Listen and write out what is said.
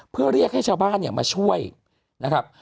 เพื่อเรียกให้ชาวบ้านเนี่ยมาช่วยนะครับ